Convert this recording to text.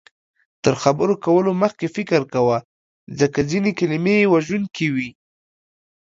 تر خبرو کولو مخکې فکر کوه، ځکه ځینې کلمې وژونکې وي